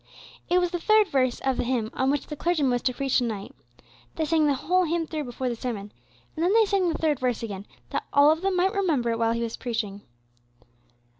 It was the third verse of the hymn on which the clergyman was to preach to night. They sang the whole hymn through before the sermon, and then they sang the third verse again, that all of them might remember it whilst he was preaching.